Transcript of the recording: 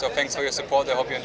terima kasih atas dukungan anda